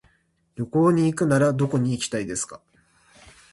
旅行に行くならどこに行きたいですか。